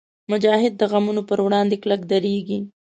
مجاهد د غمونو پر وړاندې کلک درېږي.